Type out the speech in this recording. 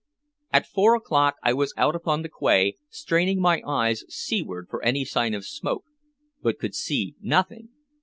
At four o'clock I was out upon the quay, straining my eyes seaward for any sign of smoke, but could see nothing.